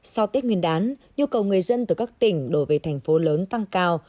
sau tết nguyên đán nhu cầu người dân từ các tỉnh đổ về thành phố lớn tăng cao